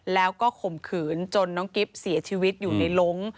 แล้วก็ข่มขืนจนน้องกิ๊บเสียชีวิตอยู่ในหลง